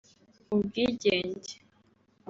ubwigenge